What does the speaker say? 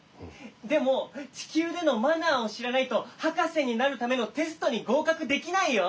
でもちきゅうでのマナーをしらないとはかせになるためのテストにごうかくできないよ。